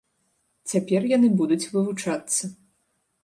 Цяпер яны будуць вывучацца.